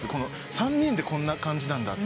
３人でこんな感じなんだっていう。